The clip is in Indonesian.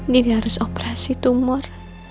dini harus operasi tumor